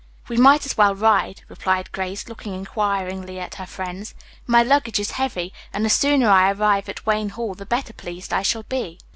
"We might as well ride," replied Grace, looking inquiringly at her friends. "My luggage is heavy and the sooner I arrive at Wayne Hall the better pleased I shall be."